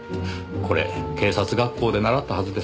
これ警察学校で習ったはずですがねぇ。